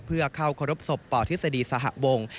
เพื่อเข้าครบศพปธิษฎีสหะวงศ์